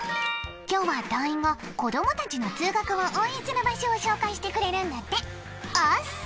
今日は団員が子供たちの通学を応援する場所を紹介してくれるんだっておす！